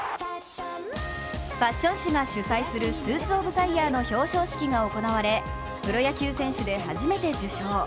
ファッション誌が主催するスーツ・オブ・ザ・イヤーの表彰式が行われプロ野球選手で初めて受賞。